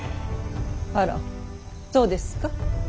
あらそうですか。